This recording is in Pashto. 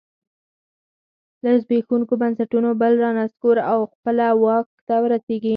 له زبېښونکو بنسټونو بل رانسکور او خپله واک ته ورسېږي.